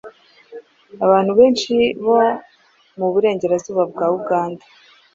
Abantu benshi bo mu Burengerazuba bwa Uganda